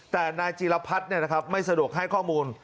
แต่นายจีรพัฒน์ไม่สะดวกให้ข้อมูล